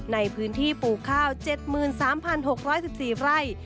ในพื้นที่ปลูกข้าว๗๓๖๑๔ไร่